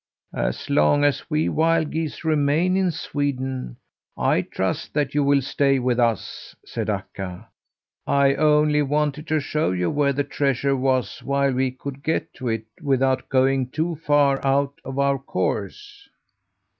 "As long as we wild geese remain in Sweden, I trust that you will stay with us," said Akka. "I only wanted to show you where the treasure was while we could get to it without going too far out of our course."